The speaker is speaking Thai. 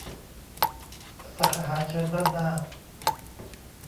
สั่งอาหารเชิญด้านหน้า